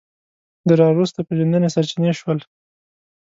د راوروسته پېژندنې سرچینې شول